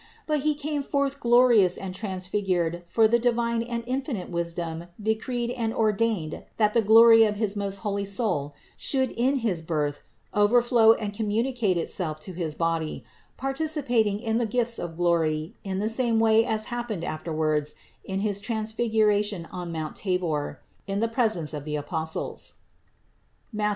But He came forth glorious and transfigured for the divine and infinite wisdom decreed and ordained that the glory of his most holy soul should in his Birth overflow and communicate itself to his body, participating in the gifts of glory in the same way as happened afterwards his Transfiguration on mount Tabor in the pres of the Apostles (Matth.